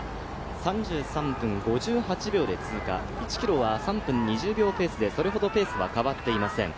３３分５８秒で通過、１ｋｍは３分２０秒ペースでそれほどペースは変わっていません。